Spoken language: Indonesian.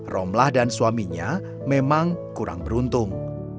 romlah dan suaminya memang kurang beruntung